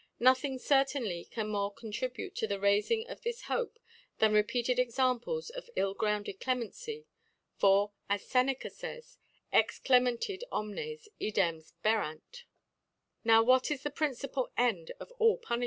*—^" Nothing certainly c^n more contribute to the t^ifing this Hope than repeated Examples t)f ill grounded Clemchcy : For as Seneca faysi Ex CkmerHia omnes idem fperaru +. Now what is the principal End of ail Pu ni.